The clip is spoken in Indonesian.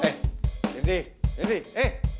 eh sindi sindi eh